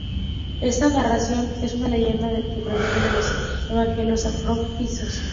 Esta narración es una leyenda que proviene de los evangelios apócrifos.